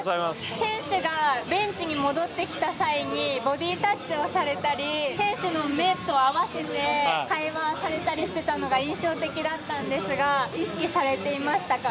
選手がベンチに戻ってきた際に、ボディタッチをされたり、選手の目と合わせて会話をされたりしてたのが印象的だったんですが、意識されていましたか？